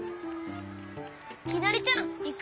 きなりちゃんいく？